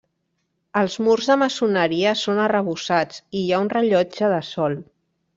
Els murs de maçoneria són arrebossats i hi ha un rellotge de sol.